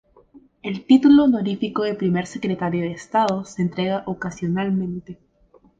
El título honorífico de Primer Secretario de Estado se entrega ocasionalmente.